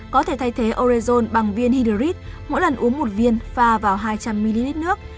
có thể thay thế orezon bằng viên hydert mỗi lần uống một viên pha vào hai trăm linh ml nước